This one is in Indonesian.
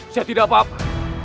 saya tidak apa apa